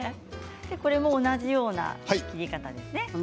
これも同じような切り方ですね。